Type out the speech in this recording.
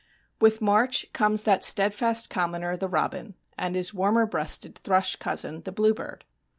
With March comes that steadfast commoner the robin and his warmer breasted thrush cousin, the bluebird.